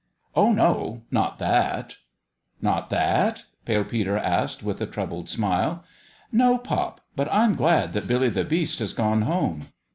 " Oh, no ; not that !"" Not that ?" Pale Peter asked, with a troubled smile. " No, pop ; but I'm glad that Billy the Beast has gone home."